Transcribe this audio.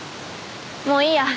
もういいや。